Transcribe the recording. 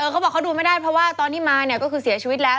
เขาบอกเขาดูไม่ได้เพราะว่าตอนที่มาเนี่ยก็คือเสียชีวิตแล้ว